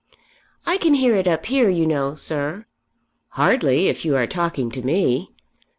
"I can hear it up here, you know, sir." "Hardly if you are talking to me."